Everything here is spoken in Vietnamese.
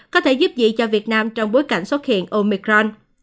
có thể giúp gì cho việt nam trong bối cảnh xuất hiện omicron